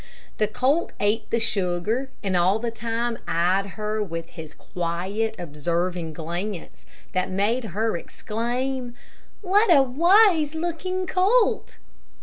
The colt ate the sugar, and all the time eyed her with his quiet, observing glance, that made her exclaim: "What a wise looking colt!"